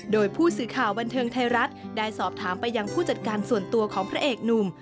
โดยผู้สื่อข่าวบันเทิงไทยรัฐได้สอบถามไปยังผู้จัดการส่วนตัวของพระเอกหนุ่ม